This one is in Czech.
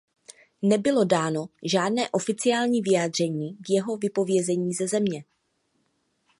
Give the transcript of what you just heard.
Nebylo dáno žádné oficiální vyjádření k jeho vypovězení ze země.